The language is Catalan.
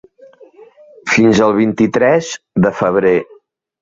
Fins el vint-i-tres de febrer.